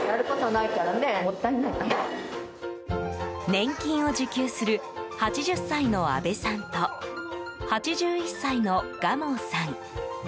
年金を受給する８０歳の阿部さんと８１歳の蒲生さん。